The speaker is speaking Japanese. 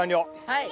はい。